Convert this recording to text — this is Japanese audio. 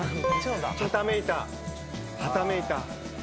はためいたはためいた。